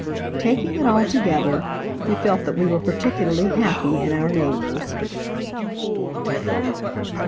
Taking it altogether, we felt that we were particularly happy in our neighbors.